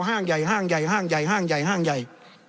ห้างใหญ่ห้างใหญ่ห้างใหญ่ห้างใหญ่ห้างใหญ่